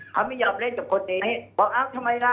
เขาไม่ยอมเล่นกับคนนี้บอกอ้าวทำไมล่ะ